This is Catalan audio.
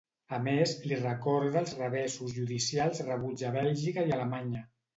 A més, li recorda els revessos judicials rebuts a Bèlgica i Alemanya.